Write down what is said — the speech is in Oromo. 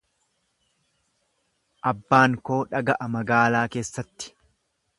Abbaan koo dhaga'a magaalaa keessatti.